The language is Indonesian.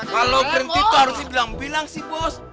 kalau berhenti tuh harus dibilang bilang sih bos